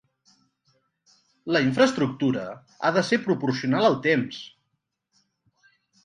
La infraestructura ha de ser proporcional al temps.